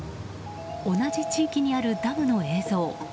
同じ地域にあるダムの映像。